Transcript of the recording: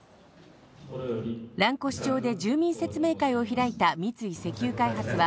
蘭越町で住民説明会を開いた三井石油開発は、